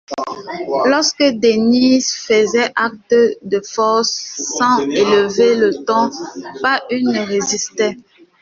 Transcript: Lorsque Denise faisait acte de force, sans élever le ton, pas une ne résistait.